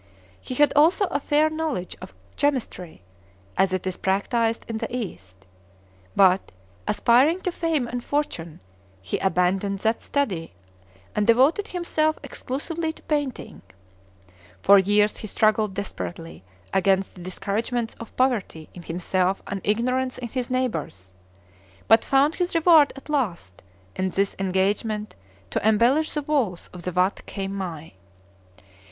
He had also a fair knowledge of chemistry as it is practised in the East; but, aspiring to fame and fortune, he abandoned that study and devoted himself exclusively to painting. For years he struggled desperately against the discouragements of poverty in himself and ignorance in his neighbors, but found his reward at last in this engagement to embellish the walls of the Watt Kheim Mai.